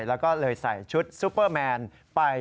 แล้วก็เลยใส่ชุดซุปเปอร์แมนไป